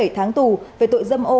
hai mươi bảy tháng tù về tội dâm ô